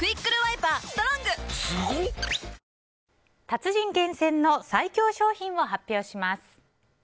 達人厳選の最強商品を発表します。